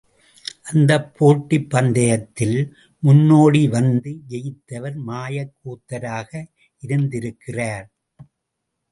அந்தப் போட்டிப் பந்தயத்தில் முன்னோடி வந்து ஜெயித்தவர் மாயக் கூத்தராக இருந்திருக்கிறார்.